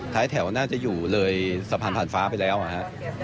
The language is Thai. ท้ายแถวน่าจะอยู่เลยสะพานผ่านฟ้าไปแล้วอะฮะ